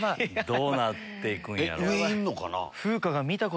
どうなっていくんやろ？